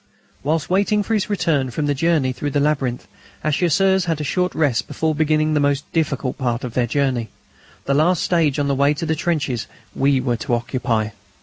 Whilst waiting for his return from the journey through the labyrinth our Chasseurs had a short rest before beginning the most difficult part of their journey the last stage on the way to the trenches we were to occupy.